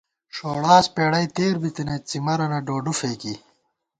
ݭوڑاس پېڑَئی تېر بِتَنَئیت، څِمَرَنہ ڈوڈُو فېکی